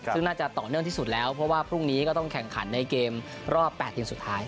ซึ่งน่าจะต่อเนื่องที่สุดแล้วเพราะว่าพรุ่งนี้ก็ต้องแข่งขันในเกมรอบ๘ทีมสุดท้าย